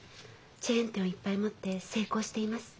チェーン店をいっぱい持って成功しています。